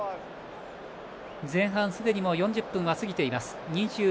前半、すでに４０分は過ぎています。